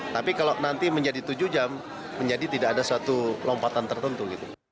tapi kalau nanti menjadi tujuh jam menjadi tidak ada suatu lompatan tertentu